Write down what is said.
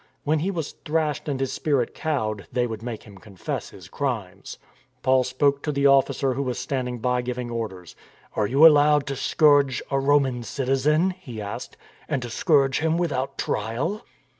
When he was thrashed and his spirit cowed, they would make him confess his crimes. Paul spoke to the officer who was standing by giving orders. " Are you, allowed to scourge a Roman citizen," he asked, and to scourge him without trial